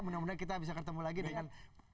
mudah mudahan kita bisa ketemu lagi dengan